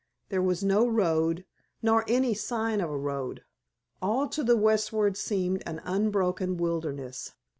There was no road, nor any sign of a road. All to the westward seemed an unbroken wilderness.